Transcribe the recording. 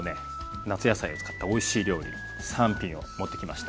夏野菜を使ったおいしい料理３品を持ってきました。